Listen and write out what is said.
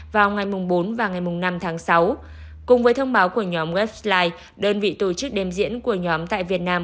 vào ngày bốn và ngày năm tháng sáu cùng với thông báo của nhóm westline đơn vị tổ chức đêm diễn của nhóm tại việt nam